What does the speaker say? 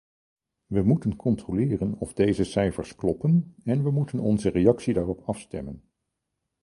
We moeten controleren of deze cijfers kloppen en we moeten onze reactie daarop afstemmen.